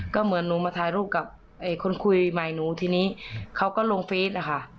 ก็เหมือนหนูมาถ่ายรูปกับคนคุยใหม่หนูทีนี้เขาก็ลงเฟสนะคะ